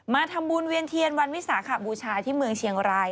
มาทำบุญเวียนเทียนวันวิสาขบูชาที่เมืองเชียงราย